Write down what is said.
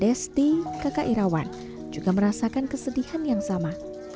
desti kakak irawan juga merasakan kesedihan yang sama